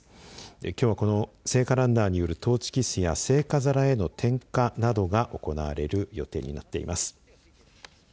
きょうこの聖火ランナーによるトーチキスや聖火皿への点火などが行われる予定になっています。